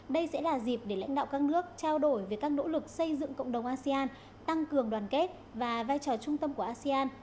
đây sẽ là dịp để lãnh đạo các nước trao đổi về các nỗ lực xây dựng cộng đồng asean tăng cường đoàn kết và vai trò trung tâm của asean